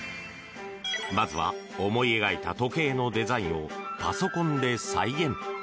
まずは思い描いた時計のデザインをパソコンで再現。